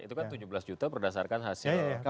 itu kan tujuh belas juta berdasarkan hasil